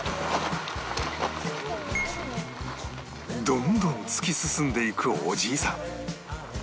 どんどん突き進んでいくおじいさん